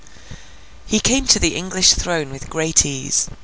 He came to the English throne with great ease.